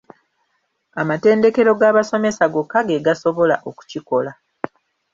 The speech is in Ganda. Amatendekero g'abasomesa gokka geegasobola okukikola.